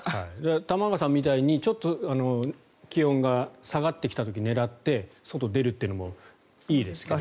玉川さんみたいにちょっと気温が下がってきた時を狙って外に出るっていうのもいいですけど。